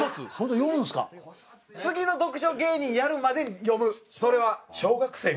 次の読書芸人やるまでに読むそれは。